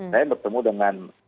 saya bertemu dengan